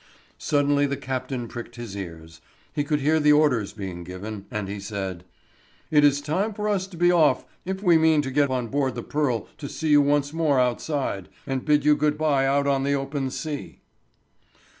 Suddenly the Captain pricked his ears. He could hear the orders being given, and he said: "It is time for us to be off if we mean to get on board the Pearl to see you once more outside, and bid you good bye out on the open sea."